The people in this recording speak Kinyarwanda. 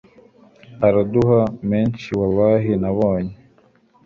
araduha menshi wallah nabonye